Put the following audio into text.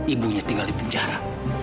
ibunya tinggal di penjara